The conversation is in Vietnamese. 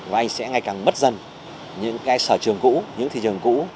và anh sẽ ngày càng bất dân những cái sở trường cũ những thị trường cũ